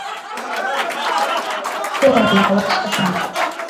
Koo lawasha sana.